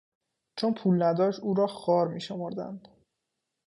چون پول نداشت او را خوار میشمردند.